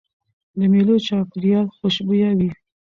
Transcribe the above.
د مېلو چاپېریال خوشبويه وي.